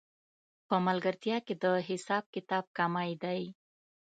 په ملګرتیا کې د حساب کتاب کمی دی